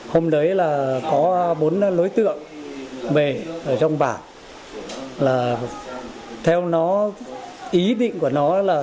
hôm đấy là có bốn đối tượng về trong bản là theo ý định của nó là